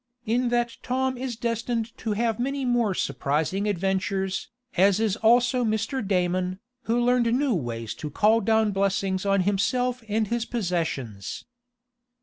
In that Tom is destined to have many more surprising adventures, as is also Mr. Damon, who learned new ways to call down blessings on himself and his possessions.